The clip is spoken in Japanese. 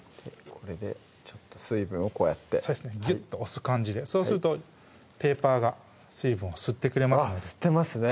これで水分をこうやってギュッと押す感じでそうするとペーパーが水分を吸ってくれますのであっ吸ってますね